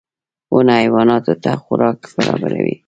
• ونه حیواناتو ته خوراک برابروي.